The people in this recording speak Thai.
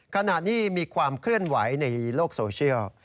ขณะนี้มีความเคลื่อนไหวในโลกโซเชียล